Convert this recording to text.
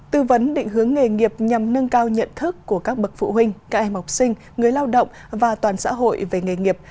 tư vấn định hướng nghề nghiệp nhằm nâng cao nhận thức của các bậc phụ huynh các em học sinh người lao động và toàn xã hội về nghề nghiệp